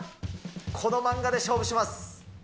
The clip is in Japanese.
この漫画で勝負します。